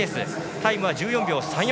タイムは１４秒３４。